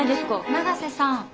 永瀬さん。